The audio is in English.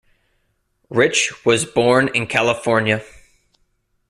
Rich was born in California.